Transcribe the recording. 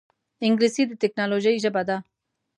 انګلیسي د ټکنالوجۍ ژبه ده